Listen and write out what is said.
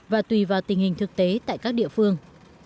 và tùy vào tình hình thực tế tại các địa phương